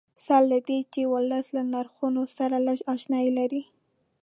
سره له دې چې ولس له نرخونو سره لږ اشنایي لري.